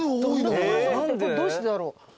どうしてだろう。